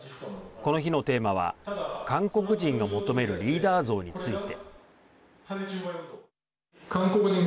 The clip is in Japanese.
この日のテーマは韓国人が求めるリーダー像について。